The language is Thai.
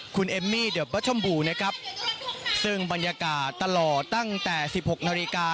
คุณเอมมี่เดอร์บอสชมบูนะครับซึ่งบรรยากาศตลอดตั้งแต่สิบหกนาฬิกา